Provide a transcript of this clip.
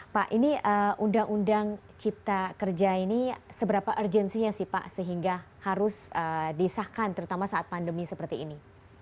pak ini undang undang cipta kerja ini seberapa urgensinya sih pak sehingga harus disahkan terutama saat pandemi seperti ini